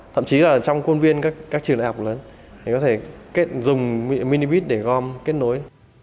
thậm chí là trong khuôn viên các trường đại học lớn thì có thể dùng minibit để gom kết nối